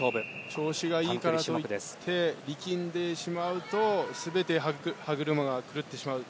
調子がいいからといって力んでしまうと歯車が狂ってしまう。